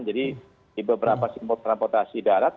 jadi di beberapa simbol transportasi daerah